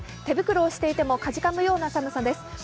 手袋をしていてもかじかむような寒さです。